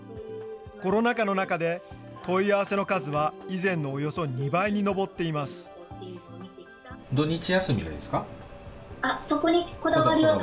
コロナ禍の中で、問い合わせの数は以前のおよそ２倍に上っています。